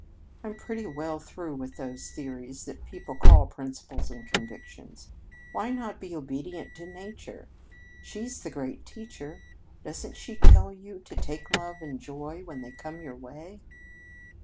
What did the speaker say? I'm pretty well through with those theories that people call principles and convictions. Why not be obedient to Nature? She's the great teacher. Doesn't she tell you to take love and joy when they come your way?"